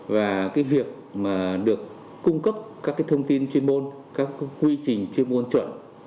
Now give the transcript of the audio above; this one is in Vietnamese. và việc được cung cấp các thông tin chuyên môn các quy trình chuyên môn chuẩn